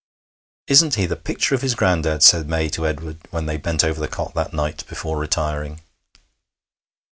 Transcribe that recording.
'Isn't he the picture of his granddad?' said May to Edward when they bent over the cot that night before retiring.